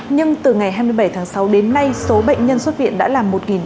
nhưng từ ngày hai mươi bảy tháng sáu đến nay số bệnh nhân xuất viện đã là một bảy trăm một mươi hai